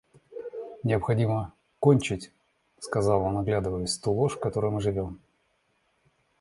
Необходимо кончить, — сказал он оглядываясь, — ту ложь, в которой мы живем.